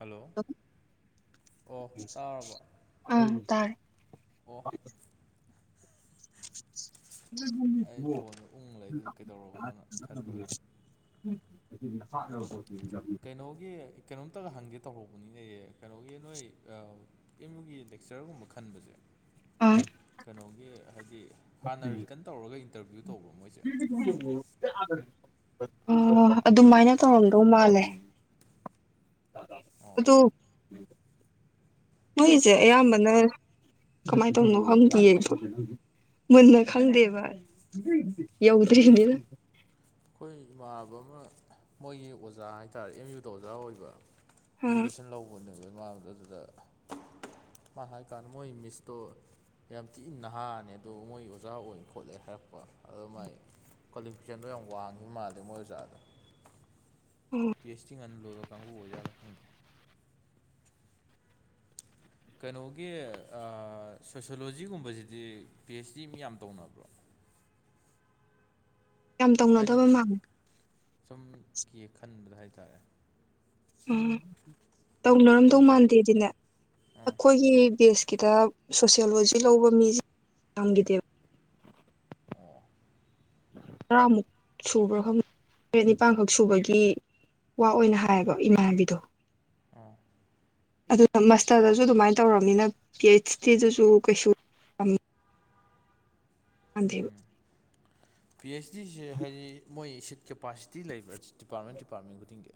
hello ꯑꯣ ꯇꯥꯔꯕꯣ ꯑꯥ ꯇꯥꯔꯦ ꯑꯣ ꯑꯩ ꯐꯣꯟꯗ ꯎꯪ ꯂꯩꯗꯨꯗ [inaudible] ꯀꯩꯗꯧꯔꯕꯅꯣꯅ ꯈꯜꯂꯨꯔꯦ [inaudible] ꯀꯩꯅꯣꯒꯤ ꯀꯩꯅꯣꯝꯇꯒ ꯍꯪꯒꯦ ꯇꯧꯔꯛꯄꯅꯤꯅꯦ ꯀꯩꯅꯣꯒꯤ ꯅꯣꯏ ꯑꯥ ꯑꯦꯝ ꯌꯨꯒꯤ ꯂꯦꯛꯆꯔꯒꯨꯝꯕ ꯈꯟꯕꯁꯦ ꯑꯥ ꯀꯩꯅꯣꯒꯤ ꯍꯥꯏꯗꯤ ꯍꯥꯟꯅ ꯔꯤꯇꯟ ꯇꯧꯔꯒ ꯏꯟꯇꯔꯚꯤꯌꯨ ꯇꯧꯕ꯭ꯔ ꯃꯣꯏꯁꯦ ꯎꯝ ꯀꯌꯥꯗ ꯑꯣ ꯑꯗꯨꯃꯥꯏꯅ ꯇꯧꯔꯝꯗꯧ ꯃꯥꯜꯂꯦ ꯑꯣ ꯑꯗꯨ ꯃꯣꯏꯁꯦ ꯑꯌꯥꯝꯕꯅ ꯀꯃꯥꯏ ꯇꯧꯏꯅꯣ ꯍꯪꯗꯤꯌꯦ ꯗꫭ ꯃꯨꯟꯅ ꯈꯪꯗꯦꯕ ꯌꯧꯗ꯭ꯔꯤꯃꯤꯅ ꯑꯩꯈꯣꯏ ꯏꯃꯥꯟꯅꯕ ꯑꯃ ꯃꯣꯏꯒꯤ ꯑꯣꯖꯥ ꯍꯥꯏꯇꯥꯔꯦ ꯑꯦꯝ ꯌꯨꯗ ꯑꯣꯖꯥ ꯑꯣꯏꯕ ꯑꯥ ꯏꯖꯨꯀꯦꯁꯟ ꯂꯧꯕꯅꯦꯕ ꯃꯥ ꯑꯗꯨꯗ ꯃꯥꯥ ꯍꯥꯏ ꯀꯥꯟ ꯃꯣꯏ ꯃꯤꯁꯇꯣ ꯌꯥꯝ ꯊꯤ ꯅꯍꯥꯅꯦ ꯑꯗꫭ ꯃꯣꯏ ꯑꯣꯖꯥ ꯑꯣꯏꯅ ꯈꯣꯠꯂꯦ ꯍꯥꯏꯔꯛꯄ ꯑꯗꫭ ꯃꯥꯏ ꯀ꯭ꯋꯥꯂꯤꯐꯤꯀꯦꯁꯟꯗꯣ ꯌꯥꯝ ꯋꯥꯡꯉꯤ ꯃꯥꯜꯂꯦ ꯃꯣꯏ ꯑꯣꯖꯥꯗꯣ ꯄꯤ ꯍꯩꯁ ꯗꯤ ꯉꯟꯅ ꯂꯣꯏꯕ ꯀꯥꯡꯕꯨ ꯑꯣꯏꯖꯥꯠꯂ ꯈꯪꯗꯦ ꯀꯩꯅꯣꯒꯤ ꯑꯥ ꯁꯣꯁꯤꯌꫭꯂꯣꯖꯤꯒꯨꯝꯕꯁꯤꯗꯤ ꯄꯤ ꯑꯩꯩꯆ ꯗꯤ ꯌꯥꯝ ꯇꯧꯅꯕ꯭ꯔꯣ [inaudible] ꯌꯥꯝ ꯍꯥꯏꯗꯤ ꯇꯧꯅꯗꯕ ꯃꯥꯜꯂꯦ ꯁꯨꯝ ꯀꯤ ꯈꯟꯕꯗ ꯍꯥꯏꯇꯥꯔꯦ ꯎꯝ ꯇꯧꯅꯔꯝꯗꯧ ꯑꯩꯈꯣꯏ ꯃꯥꯟꯗꯦꯗꯤꯅꯦ ꯑꯥ ꯑꯩꯈꯣꯏꯒꯤ ꯕꯦꯁ ꯀꯤꯇꯕ ꯁꯣꯁꯤꯌꯣꯂꯣꯖꯤ ꯂꯧꯕ ꯃꯤꯁꯦ ꯌꯥꯝꯒꯤꯗꯦꯕ ꯑꯣ ꯇꯔꯥꯃꯨꯛ ꯁꯨꯕ꯭ꯔ ꯇꯔꯦꯠ ꯅꯤꯄꯥꯜꯈꯛ ꯁꯨꯕꯒꯤ ꯋꯥ ꯑꯣꯏꯅ ꯍꯥꯏꯌꯦꯕ ꯏꯃꯥꯟꯅꯕꯤꯗꯣ ꯑ ꯑꯗꯨꯅ ꯃꯥꯁꯇꯔꯗꯁꯨ ꯑꯗꯨꯃꯥꯏꯅ ꯇꯧꯔꯕꯝꯅꯤꯅ ꯄꯤ ꯑꯩꯆ ꯗꯤꯗꯁꯨ ꯀꯩꯁꯨꯝ ꯅꯗꯦ ꯄꯤ ꯑꯩꯆ ꯗꯤꯁꯦ ꯍꯥꯏꯗꯤ ꯃꯣꯏ ꯁꯤꯠ ꯀꯦꯄꯥꯁꯤꯇꯤ ꯂꯩꯕ꯭ꯔꯥ ꯗꯤꯄꯥꯔꯠꯃꯦꯟ ꯗꯤꯄꯥꯔꯠꯃꯦꯟ ꯈꯨꯗꯤꯡꯒꯤ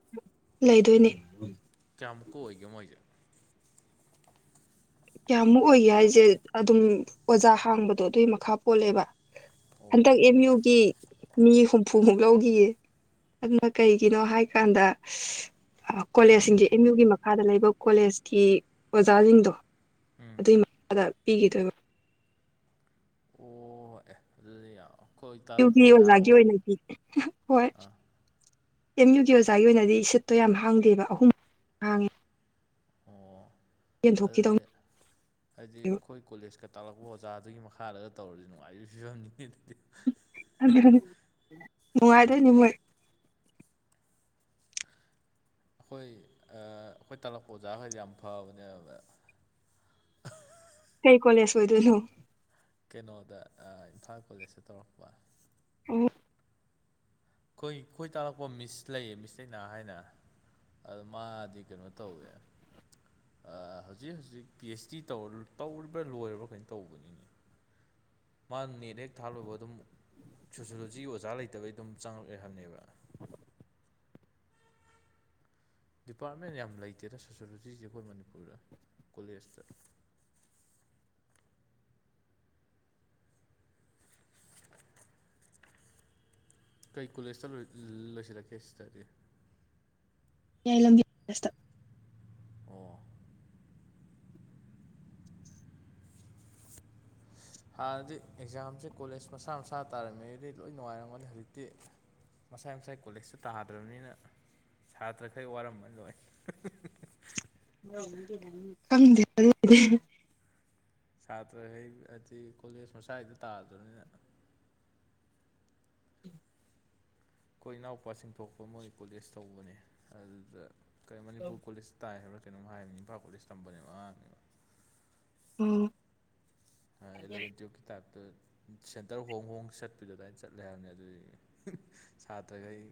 ꯂꯩꯗꯣꯏꯅꯦ ꯆꯝꯀꯨ ꯑꯣꯏꯒ ꯃꯣꯏꯖ ꯀꯌꯥꯃꯨꯛ ꯑꯣꯏꯒꯦ ꯍꯥꯏꯁꯦ ꯑꯗꯨꯝ ꯑꯣꯖꯥ ꯍꯥꯡꯕꯗꯣ ꯑꯗꯨꯏ ꯃꯈꯥ ꯄꯣꯜꯂꯦꯕ ꯍꯟꯗꯛ ꯑꯣ ꯑꯦꯝ ꯌꯨꯒꯤ ꯃꯤ ꯍꯨꯝꯐꯨꯃꯨꯛ ꯂꯧꯈꯤꯌꯦ ꯑꯗꯨꯅ ꯀꯩꯒꯤꯅꯣ ꯍꯥꯏꯀꯥꯟꯗ ꯀꯣꯂꯦꯖꯁꯤꯡꯁ ꯑꯦꯝ ꯌꯨꯒꯤ ꯃꯈꯥꯗ ꯂꯩꯕ ꯀꯣꯂꯦꯖꯀꯤ ꯑꯣꯖꯥꯁꯤꯡꯗꯣ ꯑꯗꯨꯏ ꯃꯈꯥꯗ ꯄꯤꯈꯤꯗꯕ ꯑꯣ ꯑꯦ ꯑꯗꯨꯗꯤ ꯌꯥꯝ ꯑꯩꯈꯣꯏ ꯌꯨꯚꯤ ꯇꯥꯛꯂꯛꯄ ꯑꯣꯖꯥꯒ ꯑꯣꯖꯥꯒꯤ ꯑꯣꯏ ꯑꯣꯏꯅꯗꯤ ꯍꯣꯏ ꯑꯥ ꯑꯦꯝ ꯌꯨꯒꯤ ꯑꯣꯖꯥꯒꯤ ꯑꯣꯏꯅꯗꯤ ꯁꯤꯠꯇꯣ ꯌꯥꯝ ꯍꯥꯡꯗꯦꯕ ꯑꯍꯨꯝ ꯍꯥꯡꯉꯦ ꯑꯣ ꯑꯗꯨꯗꯤ ꯌꯦꯟꯊꯣꯛꯈꯤꯗꯧꯅꯦꯕ ꯍꯥꯏꯗꯤ ꯑꯩꯈꯣꯏ ꯀꯣꯂꯦꯖ ꯀꯛꯇ ꯇꯥꯛꯂꯛꯄ ꯑꯣꯖꯥꯗꯨꯒꯤ ꯃꯈꯥꯗꯒ ꯇꯧꯔꯗꯤ ꯅꯨꯡꯉꯥꯏꯔꯤꯕꯕ ꯐꯤꯕꯝꯅꯤ ꯑꯗꯨ ꯅꯨꯡꯉꯥꯏꯖ ꯅꯨꯃꯤꯣꯏ ꯑꯩꯈꯣꯏ ꯑꯩꯈꯣꯏ ꯇꯥꯂꯛꯄ ꯑꯣꯖꯥꯈꯩꯗꯤ ꯌꯥꯝ ꯐꯕꯅꯦꯕ ꯀꯣꯂꯦꯁ ꯑꯣꯏꯣꯏꯗꯨꯅꯣ ꯀꯩꯅꯣꯗ ꯏꯝꯐꯥꯜ ꯀꯣꯂꯦꯖꯇ ꯇꯧꯔꯛꯄ ꯑꯣ ꯑꯩꯈꯣꯏ ꯈꯣꯏ ꯇꯥꯛꯂꯛꯄ ꯃꯤꯁ ꯂꯩꯌꯦ ꯃꯤꯁ ꯂꯩꯅꯥ ꯍꯥꯏꯅ ꯑ ꯃꯥꯗꯤ ꯀꯩꯅꯣ ꯇꯧꯋꯦ ꯍꯧꯖꯤꯛ ꯍꯧꯖꯤꯛ ꯄꯤ ꯑꯩꯆ ꯗꯤ ꯇꯧꯔꯤꯕ꯭ꯔꯥ ꯂꯣꯏꯔꯕ꯭ꯔꯥ ꯀꯩꯅꯣ ꯇꯧꯕꯅꯤꯅꯦ ꯃꯥꯅ ꯅꯦꯠ ꯍꯦꯛ ꯊꯥꯜꯂꯨꯕ ꯑꯗꯨꯝ ꯁꯣꯁꯤꯌꯣꯂꯣꯖꯤ ꯑꯣꯖꯥ ꯂꯩꯇꯕꯩ ꯑꯗꯨꯝ ꯆꯪꯉꯛꯑꯦ ꯍꯥꯏꯕꯅꯦꯕ ꯗꯤꯄꯥꯔꯠꯃꯦꯟ ꯌꯥꯝ ꯂꯩꯇꯦꯅ ꯁꯣꯁꯣꯂꯣꯖꯤꯁꯦ ꯑꯩꯈꯣꯏ ꯃꯅꯤꯄꯨꯔꯗ ꯀꯣꯂꯦꯖꯇ [inaudible] ꯀꯩ ꯀꯣꯂꯦꯖꯇ ꯂꯣꯏꯁꯤꯜꯂꯛꯀꯦ ꯁꯤꯗꯗꯤ ꯃꯌꯥꯏ ꯂꯝꯕꯤ ꯀꯂꯣꯜꯛꯠ ꯇꯥ ꯑꯣ ꯍꯥꯟꯅꯗꯤ ꯑꯦꯛꯖꯥꯝꯁꯦ ꯀꯣꯂꯦꯖ ꯃꯁꯥ ꯃꯁꯥ ꯇꯥꯔꯝꯃꯦꯗꯤ ꯂꯣꯏ ꯅꯨꯡꯉꯥꯏꯔꯝꯒꯅꯤ ꯍꯧꯖꯤꯛꯇꯤ ꯃꯁꯥꯏ ꯃꯁꯥꯏ ꯀꯣꯂꯦꯖꯇ ꯇꯥꯗ꯭ꯔꯕꯅꯤꯅ ꯁꯥꯇ꯭ꯔꯈꯩ ꯋꯥꯔꯃ ꯂꯣꯏ ꯗ ꯁꯥꯇ꯭ꯔ ꯍꯩ ꯍꯥꯏꯗꯤ ꯀꯣꯂꯦꯖ ꯃꯁꯋꯥꯏꯗ ꯇꯥꯗꯕꯅꯤꯅ ꯑꯩꯈꯣꯏ ꯏꯅꯥꯎꯄꯥꯁꯤꯡ ꯊꯣꯛꯄ ꯃꯣꯏ ꯀꯣꯂꯦꯖ ꯇꯧꯕꯅꯦ ꯑꯗꯨꯗ ꯀ ꯃꯅꯤꯄꯨꯔ ꯀꯣꯂꯦꯖ ꯇꯥꯏ ꯍꯥꯏꯕ꯭ꯔꯥ ꯀꯩꯅꯣꯝ ꯍꯥꯏꯕꯅꯤ ꯏꯝꯐꯥꯜ ꯀꯣꯂꯦꯖ ꯇꯝꯕꯅꯦꯕ ꯑꯉꯥꯡꯅꯦꯕ ꯎꯝ ꯏꯂꯦꯚꯦꯟꯇꯤꯨꯕ ꯀꯇꯥꯕꯇ ꯁꯦꯟꯇꯔ ꯍꯣꯡ ꯍꯣꯡ ꯆꯠꯄꯗꯨ ꯑꯗꯨꯏ ꯆꯠꯂꯦ ꯍꯥꯏꯕꯅꯤ ꯑꯗꯨꯗꯤ ꯁꯥꯇ꯭ꯔꯈꯩ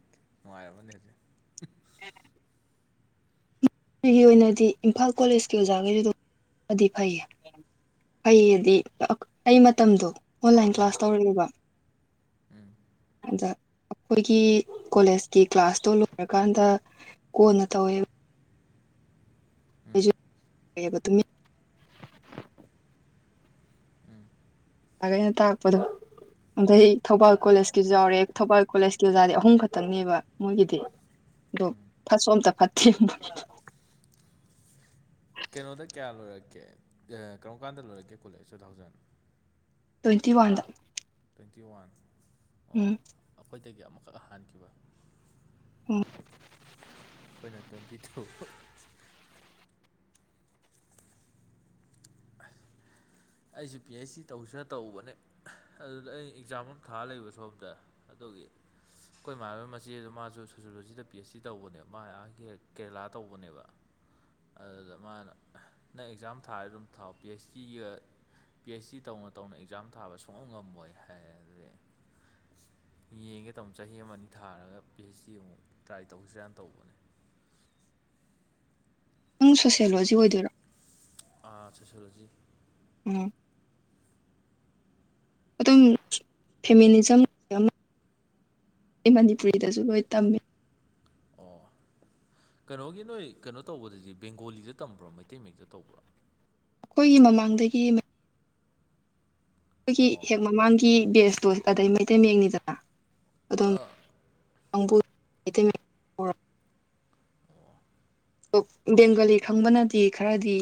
ꯅꯨꯡꯉꯥꯏ ꯍꯥꯏꯔꯕꯅꯦ ꯍꯧꯖꯤꯛ [inaudible] ꯎꯝ ꯑꯩꯒꯤ ꯑꯣꯏꯅꯗꯤ ꯏꯝꯐꯥꯜ ꯀꯣꯂꯦꯖꯀꯤ ꯑꯣꯖꯥꯈꯩꯗꯨꯗꯗꯤ ꯐꯩꯌꯦ ꯑꯩꯗꯤ ꯑꯩ ꯃꯇꯝꯗꯣ ꯑꯣꯟꯂꯥꯏꯟ ꯎꯝ ꯀ꯭ꯂꯥꯁ ꯇꯧꯔꯛꯑꯦꯕ ꯎꯝ ꯑꯗ ꯑꯩꯈꯣꯏꯒꯤ ꯀꯣꯂꯦꯖꯀꯤ ꯀ꯭ꯂꯥꯁꯇꯣ ꯂꯣꯏꯔꯀꯥꯟꯗ ꯀꯣꯟꯅ ꯇꯧꯋꯦꯕ ꯎꯝ ꯁꯨ ꯇ [unintelligible] ꯎꯝ ꯑ ꯑꯩꯅ ꯇꯥꯛꯄꯗꯣ ꯑꯗꯩ ꯊꯧꯕꯥꯜ ꯀꯣꯂꯦꯖꯀꯤꯁꯨ ꯌꯥꯎꯔꯦ ꯊꯧꯕꯥꯜ ꯀꯣꯂꯦꯖꯀꯤ ꯑꯣꯖꯥꯗꯤ ꯑꯍꯨꯝ ꯈꯛꯇꯪꯅꯦꯕ ꯃꯣꯏꯒꯤꯗꯤ ꯑꯗꯣ ꯎꯝ ꯐꯠꯁꯨꯣ ꯑꯝꯇ ꯐꯠꯇꯦ ꯀꯩꯅꯣꯗ ꯀꯌꯥ ꯂꯣꯏꯔꯛꯀꯦ ꯀꯔꯝ ꯀꯥꯟꯗ ꯂꯣꯏꯔꯛꯀꯦ ꯀꯣꯜꯂꯦ ꯇꯨ ꯊꯥꯎꯖꯟ ꯇ꯭ꯋꯦꯟꯇꯤ ꯋꯥꯟꯗ ꯇ꯭ꯋꯦꯟꯇꯤ ꯋꯥꯟ ꯑꯣ ꯎꯝ ꯑꯩꯈꯣꯏꯗꯒꯤ ꯑꯃꯨꯛꯈꯛ ꯍꯥꯟꯈꯤꯕ ꯎꯝ ꯇꯣꯏꯟꯠꯌꯇꯥꯑꯣ ꯑꯩꯁꯨꯦ ꯄꯤ ꯑꯩꯆ ꯗꯤ ꯇꯧꯁꯤꯅ ꯇꯧꯕꯅꯦ ꯑꯗꯨꯗ ꯑꯩ ꯑꯦꯛꯖꯥꯝ ꯑꯃ ꯊꯥꯔ ꯂꯩꯕ ꯁꯣꯝꯗ ꯑ [inaudible] [inaudible] ꯑꯩꯈꯣꯏ ꯏꯃꯥꯟꯣꯏ ꯃꯆꯦꯗ ꯃꯥꯁꯨ ꯁꯣꯁꯤꯌꯣꯂꯣꯖꯤꯗ ꯄꯤ ꯑꯩꯆ ꯗꯤ ꯇꯧꯕꯅꯦꯕ ꯃꯥ ꯀꯦꯔꯦꯂꯥ ꯇꯧꯕꯅꯦꯕ ꯑꯗꯨꯗ ꯃꯥꯅ ꯅꯪ ꯑꯦꯛꯖꯥꯝ ꯊꯥꯔ ꯑꯗꯨꯝ ꯊꯥꯎ P H ꯗꯤꯒ P H D ꯇꯧꯅ ꯇꯧꯅ ꯑꯦꯛꯖꯥꯝ ꯊꯥꯕ ꯁꯣꯛꯕ ꯉꯝꯃꯣꯏ ꯍꯥꯏ ꯑꯗꯨꯗꯤ ꯌꯦꯡꯒꯦ ꯇꯥꯃꯣ ꯆꯍꯤ ꯑꯃ ꯑꯅꯤ ꯊꯥꯔꯒ ꯄꯤ ꯑꯩꯩꯆ ꯗꯤ ꯑꯃꯨꯛ ꯇ꯭ꯔꯥꯏ ꯇꯧꯁꯤꯔꯅ ꯇꯧꯕꯅꯦ [unintelligible] [inaudible] ꯅꯪ ꯁꯣꯁꯤꯌꯣꯂꯣꯖꯤ ꯑꯣꯏꯗꯣꯏꯔꯣ ꯑꯥ ꯁꯂꯣꯂꯂꯣꯖꯤ ꯎꯝ ꯑꯗꯨꯝ ꯐꯦꯃꯤꯅꯤꯖꯝ ꯑꯩ ꯃꯅꯤꯄꯨꯔꯤꯗꯁꯨ ꯂꯣꯏ ꯇꯝꯃꯤ ꯑꯣ ꯀꯩꯅꯣꯒꯤ ꯅꯣꯏ ꯀꯩꯅꯣ ꯇꯧꯕꯗꯗꯤ ꯕꯦꯡꯒꯣꯂꯤꯗ ꯇꯝꯕ꯭ꯔꯣ ꯃꯩꯇꯩ ꯃꯛꯇ ꯇꯧꯕ꯭ꯔꯥ ꯑꯩꯈꯣꯏꯒꯤ ꯃꯃꯥꯡꯗꯒꯤ ꯑꯩꯈꯣꯏꯒꯤ ꯑꯣ ꯍꯦꯛ ꯃꯃꯥꯡꯒꯤ ꯕꯦꯁꯇꯣ ꯑꯗꯩ ꯃꯩꯇꯩ ꯃꯌꯦꯛꯅꯤꯗꯅ ꯑꯗꯨꯗꯝ ꯑꯥ ꯑꯪꯕꯨꯇ [unintelligible] ꯑꯣ ꯕꯦꯡꯒꯂꯤ ꯈꯪꯕꯅꯗꯤ ꯈꯔꯗꯤ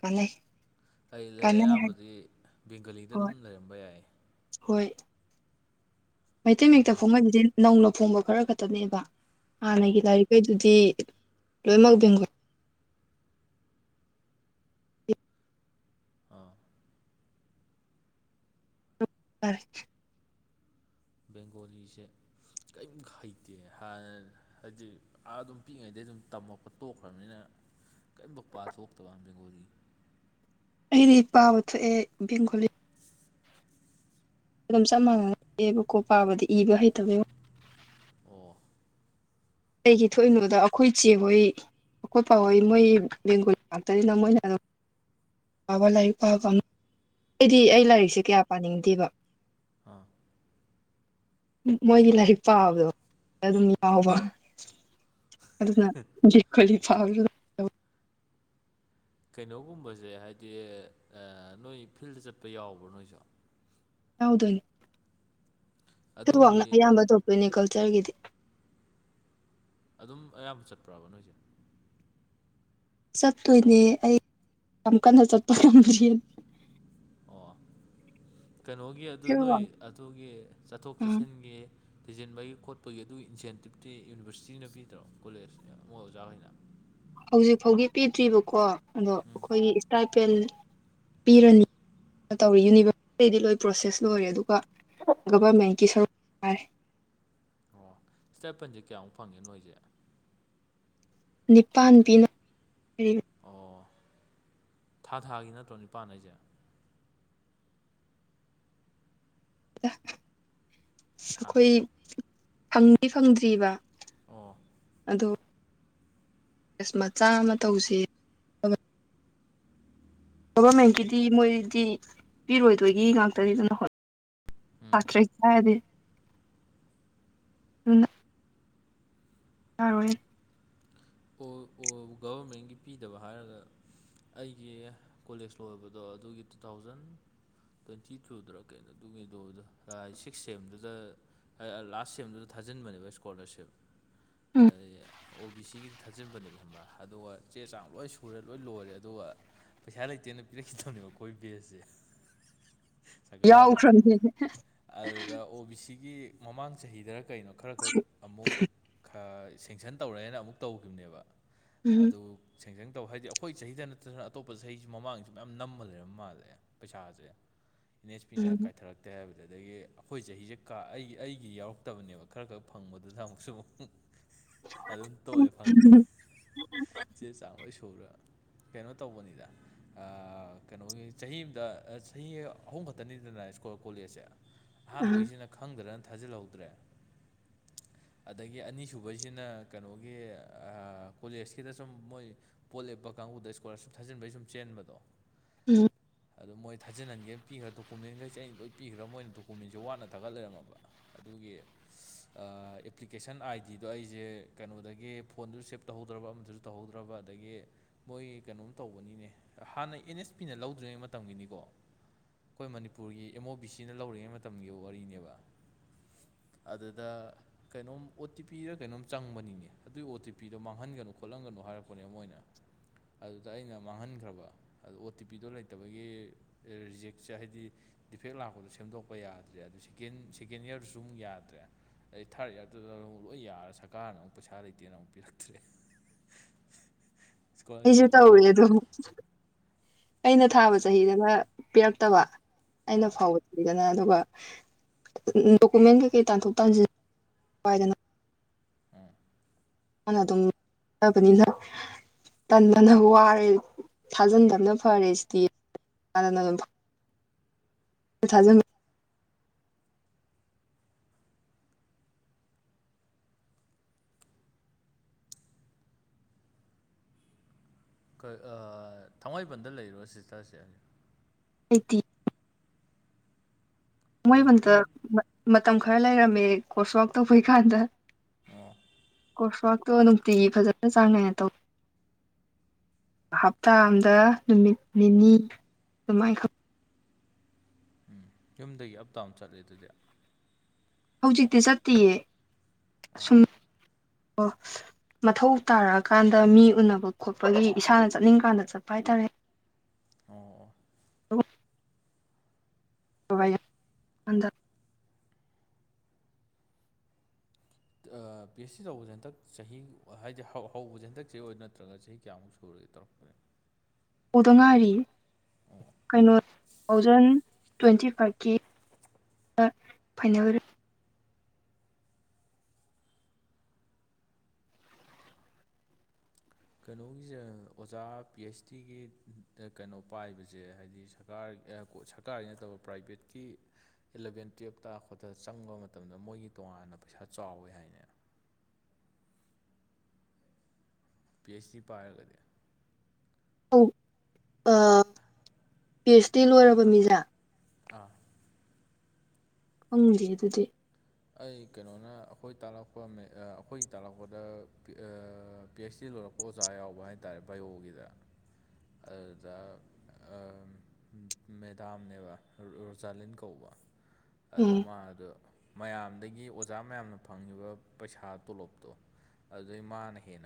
ꯀꯥꯟꯅꯩ ꯑꯩ ꯂꯩ ꯀꯥꯟꯅꯩ ꯍꯥꯏ ꯑꯌꯥꯝꯕꯗꯤ ꯕꯦꯡꯒꯂꯤꯗ ꯑꯗꯨꯝ ꯍꯣꯏ ꯂꯩꯔꯝꯕ ꯌꯥꯏ ꯍꯣꯏ ꯃꯩꯇꯩ ꯃꯛꯇ ꯕꯦꯡꯒꯣꯜ ꯐꯣꯡꯉꯗꯨꯗꯤ ꯅꯧꯅ ꯍꯣꯡꯕ ꯈꯔ ꯈꯛꯇꯅꯦꯕ ꯑꯣ ꯍꯥꯟꯅꯒꯤ ꯂꯥꯏꯔꯤꯛꯈꯩꯗꯨꯗꯤ ꯂꯣꯏꯅꯃꯛ ꯕꯦꯡꯒꯣ [unintelligible] ꯑꯥ ꯔ ꯕꯦꯡꯒꯣꯂꯤꯁꯦ ꯀꯔꯤꯝ ꯍꯩꯇꯦ ꯍꯥꯟꯅ ꯍꯥꯏꯗꯤ ꯑꯥ ꯑꯗꯨꯝ ꯄꯤꯛꯏꯉꯩꯗ ꯑꯩ ꯑꯗꯨꯝ ꯇꯝꯃꯛꯄ ꯇꯣꯛꯈ꯭ꯔꯕꯅꯤꯅ ꯀꯔꯤꯝꯐ ꯄꯥ ꯊꯣꯛꯣꯛꯇꯕ ꯕꯦꯡꯒꯣꯒꯤ ꯑꯩꯗꯤ ꯄꯥꯕ ꯊꯣꯛꯑꯦ ꯕꯦꯡꯒꯣꯂꯤ ꯑꯗꯨꯝ ꯆꯞ ꯃꯥꯟꯅꯦꯕꯀꯣ ꯄꯥꯕꯗꯤ ꯏꯕ ꯍꯩꯇꯕꯩ ꯑꯣ ꯀꯒꯤ ꯊꯣꯛꯏꯅꯣꯗ ꯑꯩꯈꯣꯏ ꯏ ꯆꯦ ꯍꯣꯏ ꯑꯩꯈꯣꯏ ꯄꯥꯎꯍꯩ ꯃꯣꯏ ꯕꯦꯡꯒꯣꯜ ꯉꯥꯛꯇꯅꯤꯅ ꯃꯣꯏꯅ ꯑꯗꯨꯝ ꯑꯕ ꯂꯥꯏꯔꯤꯛ ꯄꯥꯕ ꯑꯩꯗꯤ ꯑꯩ ꯂꯥꯏꯔꯤꯛꯁꯦ ꯀꯌꯥ ꯄꯥꯅꯤꯡꯗꯦꯕ ꯑꯥ ꯃꯣꯏꯒꯤ ꯂꯥꯏꯔꯤꯛ ꯄꯥꯕꯗꯣ ꯑꯗꯨꯝ ꯌꯥꯎꯕ ꯑꯗꯨꯅ ꯖꯤ ꯈꯂꯤ ꯐꯥꯎ ꯀꯩꯅꯣꯒꯨꯝꯕꯁꯦ ꯍꯥꯏꯕꯗꯤ ꯅꯣꯏ ꯐꯤꯜꯗ ꯆꯠꯄ ꯌꯥꯎꯕ꯭ꯔꯥ ꯅꯣꯏꯁꯨ ꯌꯥꯎꯗꯣꯏꯅꯤꯋꯥꯛꯅ ꯑꯗꯣꯝꯒꯤ ꯑꯌꯥꯝꯕ ꯊꯣꯛꯇꯣꯏꯅꯤ ꯀꯜꯆꯔꯒꯤꯗꯤ ꯑꯗꯨꯝ ꯑꯌꯥꯝꯕ ꯆꯠꯄ꯭ꯔꯕ ꯅꯣꯏꯁꯦ ꯆꯠꯇꯣꯏꯅꯦ ꯑꯩ ꯌꯥꯝ ꯀꯟꯅ ꯆꯠꯄ ꯉꯝꯗ꯭ꯔꯤ ꯑꯣ ꯀꯩꯅꯣꯒꯤ ꯑꯗꯨ ꯅꯣꯏ ꯐꯤꯜꯋꯥꯡ ꯑꯗꯨꯒꯤ ꯆꯠꯊꯣꯛ ꯆꯠꯁꯤꯟꯒꯤ ꯊꯤꯖꯤꯟꯕꯒꯤ ꯈꯣꯠꯄꯒꯤ ꯑꯗꯨꯒꯤ ꯏꯟꯁꯦꯟꯇꯤꯞꯇꯤ ꯌꯨꯅꯤꯚꯔꯁꯤꯇꯤꯅ ꯄꯤꯗ꯭ꯔꯣ ꯀꯣꯂꯦꯖ ꯃꯣꯏ ꯑꯣꯖꯥꯈꯣꯏꯅ ꯍꯧꯖꯤꯛ ꯐꯥꯎꯒꯤ ꯄꯤꯗ꯭ꯔꯤꯕꯀꯣ ꯑꯗꯣ ꯎꯝ ꯑꯩꯈꯣꯏꯒꯤ ꯏꯁꯇꯥꯏꯄꯦꯜ ꯄꯤꯔꯅꯤ ꯇꯧꯔꯤ ꯌꯨꯅꯤꯚꯔꯁꯤꯇꯤꯗꯤ ꯂꯣꯏ ꯄ꯭ꯔꯣꯁꯦꯁ ꯂꯣꯏꯔꯦ ꯑꯗꯨꯒ ꯒꯚꯔꯃꯦꯟꯀꯤ ꯁꯔꯨꯛ ꯌꯥꯔ [unintelligible] [inaudible] ꯑꯣ ꯏꯁꯇꯦꯄꯟꯁꯦ ꯀꯌꯥꯃꯨꯛ ꯐꯪꯒꯦ ꯅꯣꯏꯁꯦ ꯅꯤꯄꯥꯥꯟꯕꯤꯅ ꯑꯣ ꯊꯥ ꯊꯥꯒꯤ ꯅꯠꯇ꯭ꯔꯣ ꯅꯤꯄꯥꯜ ꯑꯩꯁꯦ ꯍꯥ ꯑꯩꯈꯣꯏ ꯐꯪꯅꯤ ꯐꯪꯗ꯭ꯔꯤꯕ ꯑꯣ ꯑ ꯃꯆꯥ ꯑꯃ ꯇꯧꯁꯤ ꯑꯣ ꯒꯣꯚꯔꯃꯦꯟꯀꯤꯗꯤ ꯃꯣꯏꯗꯤ ꯄꯤꯔꯣꯏꯗꯣꯏꯒꯤ ꯉꯥꯛꯇꯅꯤꯗꯅ ꯎꯝ ꯍꯣꯏ ꯁꯗꯤ ꯑꯗꯨꯅ ꯇꯔꯣꯏ ꯒꯚꯔꯃꯦꯟꯒꯤ ꯄꯤꯗꯕ ꯍꯥꯏꯔꯒ ꯑꯩꯒꯤ ꯀꯣꯂꯦꯖ ꯂꯣꯏꯕꯗꯣ ꯑꯗꯨꯒꯤ ꯇꯨ ꯊꯥꯎꯖꯟ ꯇ꯭ꯋꯦꯟꯇꯤ ꯇꯨꯗꯨꯔꯥ ꯀꯩꯅꯣ ꯇꯉꯒꯤꯗꯣꯗ ꯁꯤꯛꯁ ꯁꯦꯝꯗꯨꯗ ꯂꯥꯁ ꯁꯦꯝꯗꯨꯗ ꯊꯥꯖꯤꯟꯕꯅꯦꯕ ꯏꯁꯀꯣꯂꯥꯔꯁꯤꯞ ꯑꯣ ꯕꯤ ꯁꯤꯒꯤ ꯊꯥꯖꯤꯟꯕꯅꯦꯕ ꯐꯕ꯭ꯔꯥ ꯑꯗꯨꯒ ꯆꯦ ꯆꯥꯡ ꯂꯣꯏ ꯁꯨꯔꯦ ꯂꯣꯏ ꯂꯣꯏꯔꯦ ꯑꯗꯨꯒ ꯄꯩꯁꯥ ꯂꯩꯇꯦꯅ ꯄꯤꯔꯛꯈꯤꯗꯕꯅꯦꯕ ꯑꯩꯈꯣꯏ ꯕꯦꯁꯁꯦ [unintelligible] [inaudible] ꯁꯔꯀꯥꯔꯅ ꯌꯥꯎꯈ꯭ꯔꯕꯅꯦ ꯑꯗꯨꯗ ꯑꯣ ꯕꯤ ꯁꯤꯒꯤ ꯃꯃꯥꯡ ꯆꯍꯤꯗꯔ ꯀꯩꯅꯣ ꯈꯔ ꯈꯛ ꯑꯃꯨꯛ ꯈ ꯁꯦꯡꯁꯟ ꯇꯧꯔꯦꯅ ꯑꯃꯨꯛ ꯇꯧꯈꯤꯕꯅꯦꯕ ꯎꯝ ꯑꯗꯨ ꯁꯦꯡꯖꯪ ꯇꯧ ꯍꯥꯏꯗꯤ ꯑꯩꯈꯣꯏ ꯆꯍꯤꯗ ꯅꯠꯇꯗꯅ ꯑꯇꯣꯞꯄ ꯆꯍꯤꯁꯨ ꯃꯃꯥꯡꯁꯨ ꯃꯌꯥꯝ ꯅꯝꯕ ꯂꯩꯔꯝ ꯃꯥꯜꯂꯦ ꯄꯩꯁꯥꯁꯦ [unintelligible] [inaudible] ꯑꯦꯟ ꯑꯦꯆ ꯄꯤꯅ ꯎꯝ ꯀꯥꯏꯊꯔꯛꯇꯦ ꯍꯥꯏꯕꯗ ꯑꯗꯨꯗꯒꯤ ꯑꯩꯈꯣꯏ ꯆꯍꯤꯁꯦ ꯀꯥ ꯑꯩꯒꯤ ꯑꯩꯒꯤ ꯌꯥꯎꯔꯛꯇꯕꯅꯦꯕ ꯈꯔ ꯈꯔ ꯐꯪꯕꯗꯨꯗ ꯑꯃꯨꯛꯁꯨ ꯑꯃꯨ ꯑꯗꯨꯝ ꯇꯣꯛꯑꯦ ꯐꯪꯗ꯭ꯔꯦ ꯆꯦ ꯆꯥꯃꯩ ꯁꯨꯔ [unintelligible] [inaudible] ꯀꯩꯅꯣ ꯇꯧꯕꯅꯤꯗ ꯀꯩꯅꯣꯒꯤ ꯆꯍꯤ ꯑꯃꯗ ꯆꯍꯤ ꯑꯍꯨꯝ ꯈꯛꯇꯅꯤꯗꯅ ꯁꯀꯨꯜ ꯀꯣꯂꯦꯖꯦ ꯑ ꯑꯍꯥꯟꯕꯩꯁꯤꯅ ꯈꯪꯗꯅ ꯊꯖꯟꯍꯧꯗꯔꯦ ꯑꯗꯒꯤ ꯑꯅꯤ ꯁꯨꯕꯩꯁꯤꯅꯥ ꯀꯩꯅꫭꯒ [unintelligible] [inaudible] ꯀꯣꯂꯦꯖꯀꯤꯗ ꯁꯨꯝ ꯃꯣꯏ ꯕꫭꯠ ꯂꯦꯞꯄ ꯀꯥꯡꯕꯨꯗ ꯏꯁꯀꯣꯂꯥꯔꯁꯤꯞ ꯊꯥꯖꯤꯟꯕꯩ ꯁꯨꯝ ꯆꯦꯟꯕꯗꯣ ꯎꯝ ꯑꯗꯣ ꯃꯣꯏ ꯊꯥꯖꯤꯍꯟꯒꯦꯅ ꯄꯤꯈ꯭ꯔꯥ ꯗꯣꯀꯨꯃꯦꯟꯈꯩꯁꯦ ꯑꯩꯅ ꯂꯣꯏ ꯄꯤꯈ꯭ꯔ ꯃꯣꯏꯅ ꯗꯣꯀꯨꯃꯦꯟꯁꯦ ꯋꯥꯠꯅ ꯊꯥꯒꯠ ꯂꯩꯔꯝꯃꯕ ꯑꯗꯨ ꯑꯗꯨꯒꯤ ꯑꯦꯄ꯭ꯂꯤꯀꯦꯁꯟ ꯑꯥꯏ ꯗꯤꯗꯣ ꯑꯩꯁꯦ ꯀꯩꯅꯣꯗꯒꯤ ꯐꯣꯟꯗꯨꯁꯨ ꯁ‌ꯦꯞ ꯇꯧꯍꯧꯗ꯭ꯔꯕ ꯑꯃꯗꯨꯁꯨ ꯇꯧꯍꯧꯗ꯭ꯔꯕ ꯑꯗꯒꯤ ꯃꯣꯏ ꯀꯩꯅꯣꯝ ꯇꯧꯕꯅꯤꯅꯦ ꯍꯥꯟꯅ ꯑꯦꯟ ꯑꯦꯁ ꯄꯤꯅ ꯂꯧꯗ꯭ꯔꯤꯉꯩ ꯃꯇꯝꯒꯤꯅꯤꯀꯣ ꯑꯩꯈꯣꯏ ꯃꯅꯤꯄꯨꯔꯒꯤ ꯑꯦꯝ ꯑꯣ ꯕꯤ ꯁꯤꯅ ꯂꯧꯔꯤꯉꯩ ꯃꯇꯝꯒꯤ ꯋꯥꯔꯤꯅꯦꯕ ꯑꯗꯨꯗ ꯀꯩꯅꯣꯝ ꯑꯣ ꯇꯤ ꯄꯤꯔꯥ ꯀꯩꯅꯣꯝ ꯆꯪꯕꯅꯤ ꯅꯤꯅ‌ꯦ ꯑꯗꯨꯏ ꯑꯣ ꯇꯤ ꯄꯤꯗꯣ ꯃꯥꯡꯍꯟꯒꯅꯨ ꯈꯣꯠꯍꯟꯒꯅꯨ ꯍꯥꯏꯔꯛꯄꯅꯦ ꯃꯣꯏꯅꯥ ꯑꯗꯨꯗ ꯑꯩꯅ ꯃꯥꯡꯍꯟꯈ꯭ꯔꯕ ꯑꯗꯨ ꯑꯣ ꯇꯤ ꯄꯤꯗꯣ ꯂꯩꯇꯕꯒꯤ ꯔꯤꯖꯦꯛ ꯆꯥꯏ ꯍꯥꯏꯗꯤ ꯗꯤꯐꯦꯛ ꯂꯥꯛꯄꯗꯨ ꯁꯦꯝꯗꯣꯛꯄ ꯌꯥꯗ꯭ꯔꯦ ꯑꯗꯨ ꯁꯦꯀꯦꯟ ꯁꯦꯀꯦꯟ ꯏꯌꯥꯔꯗꯨꯁꯨ ꯑꯃꯨꯛ ꯌꯥꯗ꯭ꯔꯦ ꯑꯗꯩ ꯊꯥꯔꯠ ꯏꯌꯥꯔꯗꯨꯗ ꯑꯃꯨꯛ ꯂꫭꯏ ꯌꯔꯥ ꯁꯔꯀꯥꯔꯅ ꯑꯃꯨꯛ ꯄꯩꯁꯥ ꯂꯩꯇꯦꯅ ꯑꯃꯨꯛ ꯄꯤꯔꯛꯇ꯭ꯔꯦ ꯏꯁꯀꯣꯂꯥꯔꯁꯤꯞ ꯑꯩꯁꯨ ꯑꯃꯐꯥꯎ ꯇꯧꯔꯦ ꯐꯪꯗꯕꯤ ꯑꯗꯣ ꯑꯩꯅ ꯊꯥꯕ ꯆꯍꯤꯗꯅ ꯄꯤꯔꯛꯇꯕ ꯑꯩꯅ ꯑꯥ ꯐꯥꯎꯗꯅ ꯑꯗꯨꯝ ꯑꯗꯨꯒ ꯗꯣꯀꯨꯃꯦꯟ ꯀꯩꯀꯩ ꯇꯥꯟꯊꯣꯛ ꯇꯥꯟꯁꯤꯟ ꯋꯥꯏꯗꯅ ꯎꯝ [unintelligible] ꯇꯟꯗꯅ ꯋꯥꯔꯦ ꯊꯥꯖꯤꯟꯕꯅ ꯐꯔꯦ ꯁꯤꯗꯤꯗꯅ ꯑꯗꯨꯝ ꯊꯥꯖꯝ [unintelligible] ꯀꯩ ꯑꯥ ꯊꯥꯡꯃꯩꯕꯟꯗ ꯂꯩꯔꯣ ꯁꯤꯁꯇꯔꯁꯦ ꯂꯩꯇ‌ꯦ ꯃꯣꯏ ꯑꯣ ꯃꯇꯥ ꯌꯨꯝ ꯃꯇꯝ ꯈꯔ ꯂꯩꯔꯝꯃꯦ ꯀꯣꯔꯁ ꯋꯥꯔꯛ ꯇꯧꯕꯩ ꯀꯥꯟꯗ ꯑꯣ ꯀꫭꯔꯁ ꯋꯥꯛꯇꯣ ꯅꯨꯡꯇꯤꯒꯤ ꯐꯖꯅ ꯆꯥꯡꯅꯥꯏꯅ ꯇꯧ ꯍꯞꯇꯥ ꯑꯝꯗ ꯅꯨꯃꯤꯠ ꯅꯤꯅꯤ ꯑꯗꯨꯃꯥꯏ ꯈꯛ ꯎꯝ ꯌꯨꯝꯗꯒꯤ ꯑꯞ ꯇꯗꯥꯎꯟ ꯆꯠꯂꯦ ꯑꯗꯨꯗꯤ ꯍꯧꯖꯤꯛꯇꯤ ꯆꯠꯇꯤꯌꯦ ꯁꯨꯝ ꯑꯣ ꯃꯊꯧ ꯇꯥꯔꯛꯑꯀꯥꯟꯗ ꯃꯤ ꯎꯅꯕ ꯈꯣꯠꯄꯒꯤ ꯏꯁꯥꯅ ꯆꯠꯅꯤꯡꯀꯥꯟꯗ ꯆꯠꯄ ꯍꯥꯏꯇꯥꯔꯦ ꯑꯣ ꯑꫭ ꯑꯗ [unintelligible] ꯑꯥ ꯄꯤ ꯑꯩꯆ ꯁꯤ ꯇꯧꯕꯁꯦ ꯍꯟꯗꯛ ꯆꯍꯤ ꯍꯥꯏꯗꯤ ꯍꯧꯕꯁꯦ ꯍꯟꯗꯛ ꯆꯍꯤ ꯑꯣꯏꯔ ꯅꯠꯇ꯭ꯔꯒ ꯆꯍꯤ ꯀꯌꯥꯃꯨꯛ ꯁꯨꯔ‌ꯦ ꯇ [unintelligible] ꯍꯧꯗ ꯉꯥꯏꯔꯤꯌ‌ꯦ ꯀꯩꯅꯣ ꯇꯨ ꯊꯥꯎꯖꯟ ꯇ꯭ꯋꯦꯟꯇꯤ ꯐꯥꯏꯚꯀꯤ ꯐꯥꯏꯅꯦꯜ ꯀꯩꯅꯣꯒꯤꯁꯦ ꯑꯣꯖꯥ ꯄꯤ ꯑꯩꯆ ꯗꯤꯒꯤ ꯀꯩꯅꯣ ꯄꯥꯏꯕꯁꯦ ꯍꯥꯏꯗꯤ ꯁꯔꯀꯥꯔ ꯁꯔꯀꯥꯔꯤ ꯅꯠꯇꯕ ꯄ꯭ꯔꯥꯏꯚꯦꯠꯀꯤ ꯑꯦꯂꯚꯦꯟ ꯇꯨꯌꯦꯜꯞ ꯀꯔꯛꯄꯗ ꯆꯪꯕ ꯃꯇꯝꯗ ꯃꯣꯏꯒꯤ ꯇꯣꯉꯥꯟꯅ ꯄꯩꯁꯥ ꯆꯥꯎꯋꯦ ꯍꯥꯏꯅꯦ [inaudible] ꯄꯤ ꯑꯩꯆ ꯗꯤ ꯄꯥꯏꯔꯒꯗꯤ ꯑꯧ ꯑꯥ ꯄꯤ ꯑꯩꯆ ꯗꯤ ꯂꯣꯏꯔꯕ ꯃꯤꯖꯥ ꯑꯥ ꯈꯪꯗꯦ ꯑꯗꯨꯗꯤ ꯑꯩ ꯀꯩꯅꯣꯅ ꯑꯩꯈꯣꯏ ꯇꯥꯛꯂꯛꯄ ꯑꯩꯈꯣꯏꯒꯤ ꯇꯥꯛꯂꯛꯄꯗ ꯄꯤ ꯑꯩꯆ ꯗꯤ ꯂꯣꯏꯔꯛꯄ ꯑꯣꯖꯥ ꯌꯥꯎꯕ ꯍꯥꯏꯇꯥꯔꯦ ꯕꯥꯌꯣꯒꯤꯗ ꯑꯗꯨꯗ ꯑꯥ ꯃꯦꯗꯥꯝꯅꯦꯕ ꯔꯣꯖꯥꯂꯤꯟ ꯀꯧꯕ ꯑꯗꯨ ꯎꯝ ꯃꯥ ꯑꯗꫭ ꯃꯌꯥꯝꯗꯒꯤ ꯑꯣꯖꯥ ꯃꯌꯥꯝꯅ ꯐꯪꯉꯤꯕ ꯄꯩꯁꯥ ꯇꯣꯂꯣꯞꯇꯣ ꯑꯗꯨꯗꯩ ꯃꯥꯅ ꯍꯦꯟꯅ